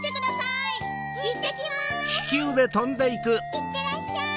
いってらっしゃい！